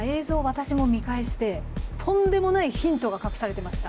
私も見返してとんでもないヒントが隠されてました。